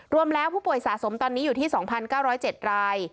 รวมแล้วผู้ป่วยสะสมตอนนี้อยู่ที่๒๙๐๗ราย